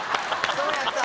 そうやった。